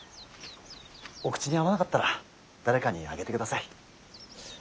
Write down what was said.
お口に合わなかったら誰かにあげてください。